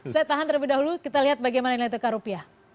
saya tahan terlebih dahulu kita lihat bagaimana nilai tukar rupiah